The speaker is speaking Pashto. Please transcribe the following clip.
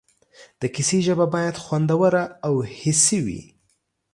د کیسې ژبه باید خوندوره او حسي وي.